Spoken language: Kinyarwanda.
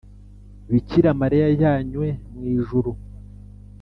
bikira mariya yajyanywe mu ijuru,